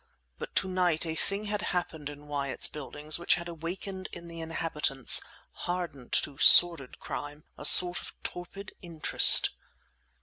But to night a thing had happened in Wyatt's Buildings which had awakened in the inhabitants, hardened to sordid crime, a sort of torpid interest.